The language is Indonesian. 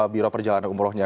biro perjalanan umrohnya